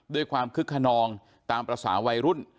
ด้วยความคึกขนองตามภาษาวัยรุ่น